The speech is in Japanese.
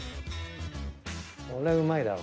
これはうまいよ。